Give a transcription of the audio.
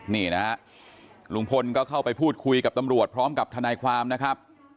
นี่นะฮะลุงพลก็เข้าไปพูดคุยกับตำรวจพร้อมกับทนายความนะครับ